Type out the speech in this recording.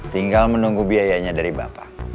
tinggal menunggu biayanya dari bapak